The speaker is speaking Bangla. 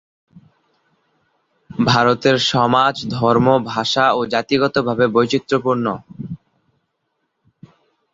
ভারতের সমাজ ধর্ম, ভাষা ও জাতিগতভাবে বৈচিত্র্যপূর্ণ।